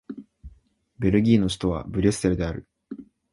ベルギーの首都はブリュッセルである